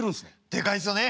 でかいですよね。